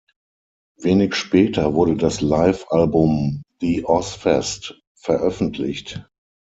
Wenig später wurde das Live-Album "The Ozzfest" veröffentlicht.